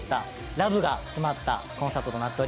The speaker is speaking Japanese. ラブが詰まったコンサートとなっております。